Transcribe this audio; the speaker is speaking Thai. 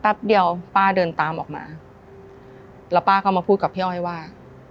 เดียวป้าเดินตามออกมาแล้วป้าก็มาพูดกับพี่อ้อยว่า